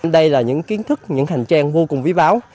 đây là những kiến thức những hành trang vô cùng quý báo